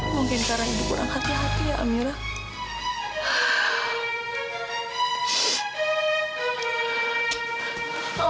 mungkin karena ibu kurang hati hati ya amira